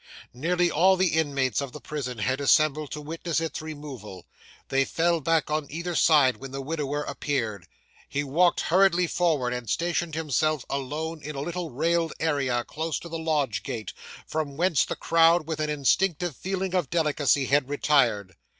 Nearly all the inmates of the prison had assembled to witness its removal; they fell back on either side when the widower appeared; he walked hurriedly forward, and stationed himself, alone, in a little railed area close to the lodge gate, from whence the crowd, with an instinctive feeling of delicacy, had retired.